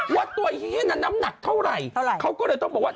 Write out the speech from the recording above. ว่าตัวอีเฮ่นั้นน้ำหนักเท่าไหร่เขาก็เลยต้องบอกว่า